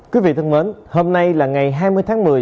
quý vị thân mến hôm nay là ngày hai mươi tháng một mươi